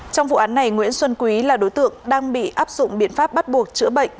trong vụ án này nguyễn xuân quý là đối tượng đang bị áp dụng biện pháp bắt buộc chữa bệnh